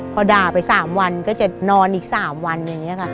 พอด่าไป๓วันก็จะนอนอีก๓วันอย่างนี้ค่ะ